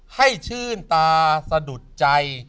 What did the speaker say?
ให้ชื่นตาสะดุดใจ